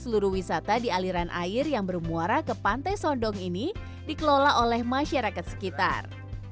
seluruh wisata di aliran air yang bermuara ke pantai sondong ini dikelola oleh masyarakat sekitar